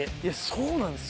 そうなんです。